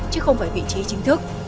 chứ không phải vị trí chính thức